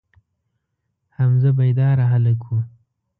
حمزه بیداره هلک و.